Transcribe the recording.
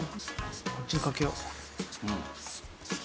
こっちに賭けよう。